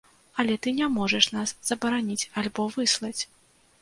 Але ты не можаш нас забараніць альбо выслаць!